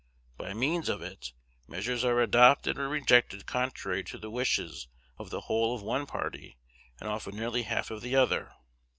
By means of it, measures are adopted or rejected contrary to the wishes of the whole of one party, and often nearly half of the other.